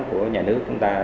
của nhà nước chúng ta